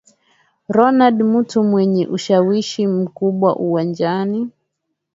Ronald mtu mwenye ushawishi mkubwa uwanjani